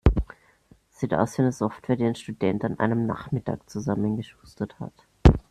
Sieht aus wie eine Software, die ein Student an einem Nachmittag zusammengeschustert hat.